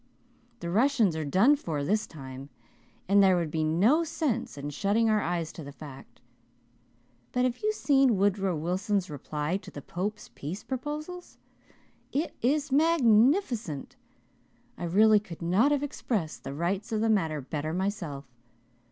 The Russians are done for this time and there would be no sense in shutting our eyes to the fact. But have you seen Woodrow Wilson's reply to the Pope's peace proposals? It is magnificent. I really could not have expressed the rights of the matter better myself.